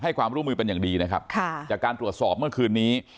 ความร่วมมือเป็นอย่างดีนะครับค่ะจากการตรวจสอบเมื่อคืนนี้